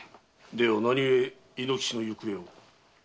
では何ゆえ猪之吉の行方を？